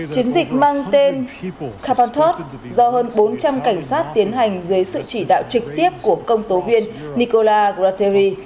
chiến dịch mang tên carbontaos do hơn bốn trăm linh cảnh sát tiến hành dưới sự chỉ đạo trực tiếp của công tố viên nicola grateri